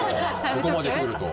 ここまでくると。